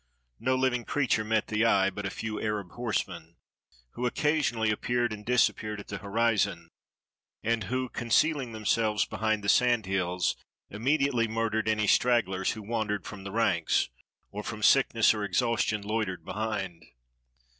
No living creature met the eye but a few Arab horsemen, who occasionally appeared and disap peared at the horizon, and who, concealing themselves behind the sand hills, immediately murdered any strag glers who wandered from the ranks, or from sickness or exhaustion loitered behind.